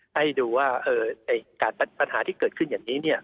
ให้ดูว่าปัญหาที่เกิดขึ้นอย่างนี้